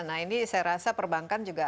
nah ini saya rasa perbankan juga